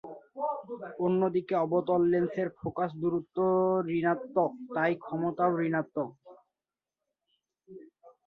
অন্যদিকে অবতল লেন্সের ফোকাস দূরত্ব ঋণাত্মক, তাই ক্ষমতাও ঋণাত্মক।